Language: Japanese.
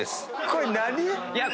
これ何？